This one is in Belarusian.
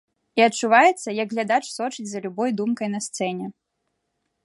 І адчуваецца, як глядач сочыць за любой думкай на сцэне.